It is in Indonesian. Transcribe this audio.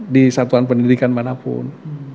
di satuan pendidikan manapun